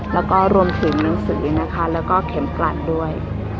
แล้วก็รวมถึงหนังสือนะคะแล้วก็เข็มกลัดด้วย